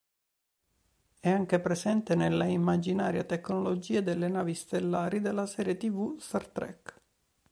È anche presente nella immaginaria tecnologia delle navi stellari della serie tv "Star Trek".